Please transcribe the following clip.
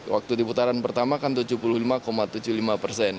waktu di putaran pertama kan tujuh puluh lima tujuh puluh lima persen